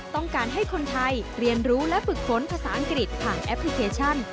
ต้องการให้คนไทยเรียนรู้และฝึกฝนภาษาอังกฤษผ่านแอปพลิเคชัน